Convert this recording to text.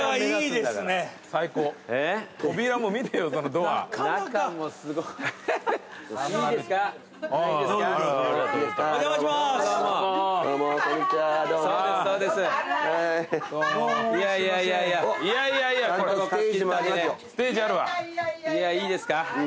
いやいいですか。